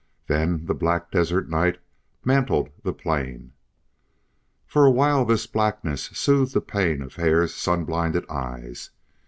Then the black desert night mantled the plain. For a while this blackness soothed the pain of Hare's sun blinded eyes.